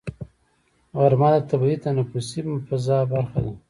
غرمه د طبیعي تنفسي فضا برخه ده